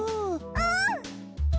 うん！